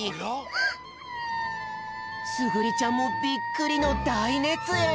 すぐりちゃんもびっくりのだいねつえん。